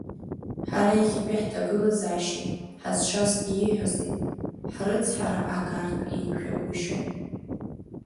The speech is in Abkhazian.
Ҳара иахьатәи ҳҭагылазаашьеи ҳазшаз ииҳәази, ҳрыцҳара агартә еиқәшәагәышьом.